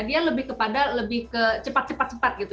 dia lebih kepada lebih ke cepat cepat cepat gitu